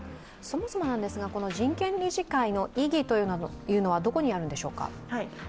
そもそも人権理事会の意義というのはどこにあるんでしょうか？